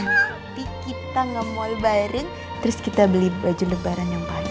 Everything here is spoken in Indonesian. nanti kita ke mall bareng terus kita beli baju lebaran yang panjang